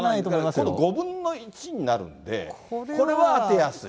今度５分の１になるんで、これは当てやすい。